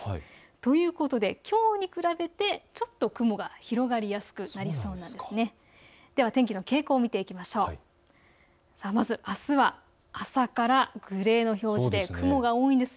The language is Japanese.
ということで、きょうに比べてちょっと雲が広がりやすくなりそうです。